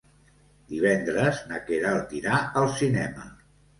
Divendres na Queralt irà al cinema.